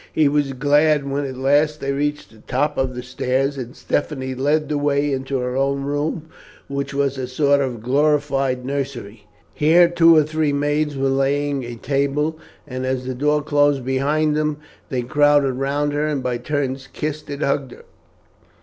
He was glad when at last they reached the top of the stairs and Stephanie led the way into her own room, which was a sort of glorified nursery. Here two or three maids were laying a table, and as the door closed behind him they crowded round her and by turns kissed and hugged her.